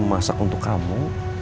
masak untuk kamu